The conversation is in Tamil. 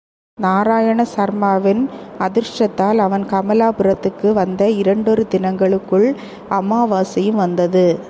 நாராயண சர்மாவின் அதிருஷ்டத்தால், அவன் கமலாபுரத்துக்கு வந்த இரண்டொரு தினங்களுக்குள் அமாவாசையும் வந்தது.